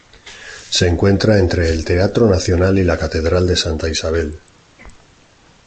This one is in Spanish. Se encuentra entre el Teatro Nacional y la Catedral de Santa Isabel.